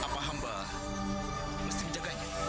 apa hamba mesti menjaganya